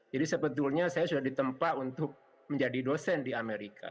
jadi sebetulnya saya sudah ditempa untuk menjadi dosen di amerika